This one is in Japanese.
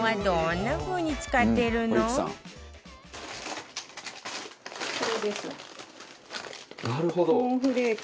なるほど。